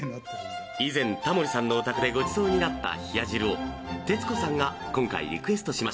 以前タモリさんのお宅でごちそうになった冷汁を徹子さんが今回リクエストしました